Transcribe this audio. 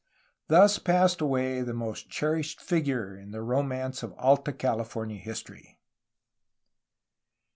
Thus passed away the most cherished figure in the romance of Alta California his tory.